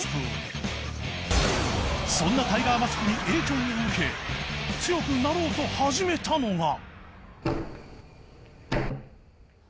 ［そんなタイガーマスクに影響を受け強くなろうと始めたのが］